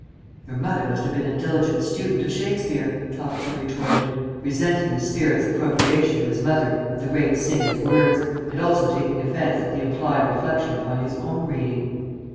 "Your mother must have been a diligent student of Shakespeare," Toppleton retorted, resenting the spirit's appropriation to his mother of the great singer's words, and also taking offence at the implied reflection upon his own reading.